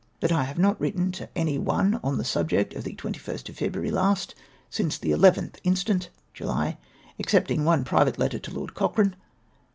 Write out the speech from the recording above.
That I have not written to any one on the subject of the 21st of February last, since the llth instant (July), excepting one private letter to Lord Cochrane.